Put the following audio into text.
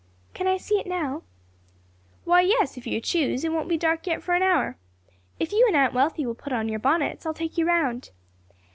"Can I see it now?" "Why, yes, if you choose; it won't be dark yet for an hour. If you and Aunt Wealthy will put on your bonnets, I'll take you round."